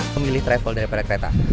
pemilih travel daripada kereta